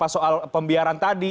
soal pembiaran tadi